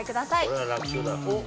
これは楽勝だよ。